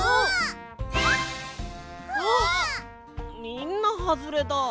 みんなはずれだ。